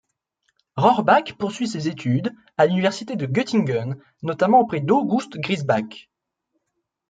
Rohrbach poursuit ses études à l'université de Göttingen, notamment auprès d'August Grisebach.